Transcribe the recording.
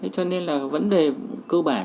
cho nên là vấn đề cơ bản